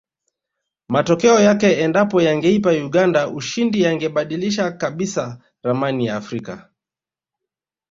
Matokeo yake endapo yangeipa Uganda ushindi yangebadilisha kabisa ramani ya afrika